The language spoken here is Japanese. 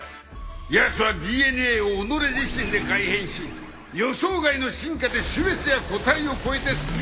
やつはＤＮＡを己自身で改変し予想外の進化で種別や個体を超えて姿を変える。